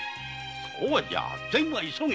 そうじゃ善は急げ。